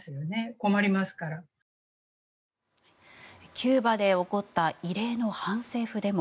キューバで起こった異例の反政府デモ。